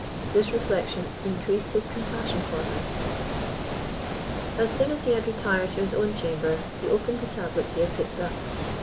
This reflection increased his compassion for her. As soon as he had retired to his own chamber he opened the tablets he had picked up.